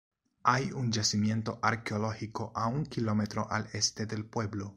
Hay un yacimiento arqueológico a un kilómetro al este del pueblo.